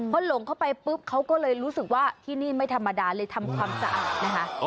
พอหลงเข้าไปปุ๊บเขาก็เลยรู้สึกว่าที่นี่ไม่ธรรมดาเลยทำความสะอาดนะคะ